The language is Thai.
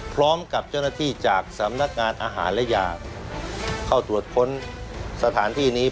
พร้อมกับเจ้าหน้าที่จากสำนักงานอาหารและยาเข้าตรวจค้นสถานที่นี้